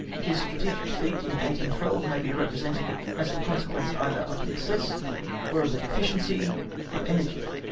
His strategic defeat in 1812 may be represented as the consequence either of an excess, or of a deficiency, of energy.